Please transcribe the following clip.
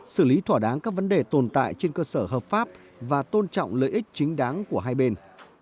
xử lý thỏa đáng các vấn đề tồn tại trên cơ sở hợp pháp và tôn trọng lợi ích chính đáng của hai bên